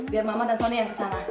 biar mama dan sonya yang kesana